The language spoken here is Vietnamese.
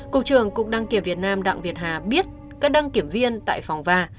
cục trưởng cục đăng kiểm việt nam đặng việt hà biết các đăng kiểm viên tại phòng va